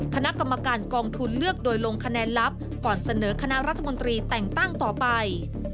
คณะกรรมการกองทุนเลือกโดยลงคะแนนลับก่อนเสนอคณะรัฐมนตรีแต่งตั้งต่อไป